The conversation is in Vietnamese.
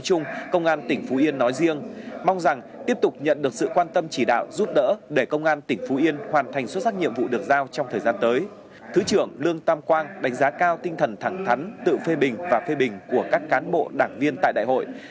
trung tướng lương tam quang thứ trưởng bộ công an dự và phát biểu tại đại hội